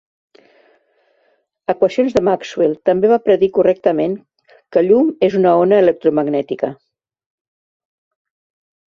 Equacions de Maxwell També va predir correctament que llum és una ona electromagnètica.